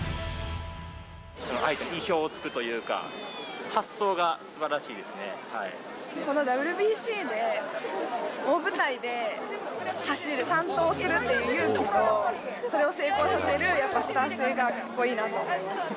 相手の意表をつくというか、このＷＢＣで、大舞台で走る、３盗するという勇気と、それを成功させる、やっぱスター性がかっこいいなと思いました。